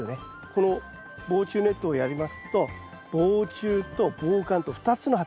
この防虫ネットをやりますと防虫と防寒と２つの働きがあります。